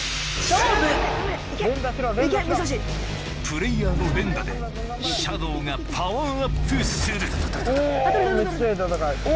プレイヤーの連打でシャドウがパワーアップするお！